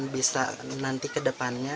bisa nanti ke depannya